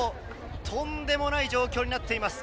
とんでもない状況になっています。